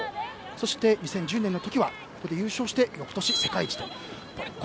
そして、２０１０年の時はここで優勝して翌年、世界一と。